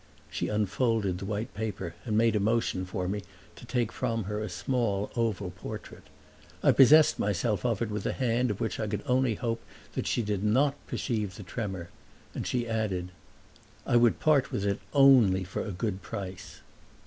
She unfolded the white paper and made a motion for me to take from her a small oval portrait. I possessed myself of it with a hand of which I could only hope that she did not perceive the tremor, and she added, "I would part with it only for a good price."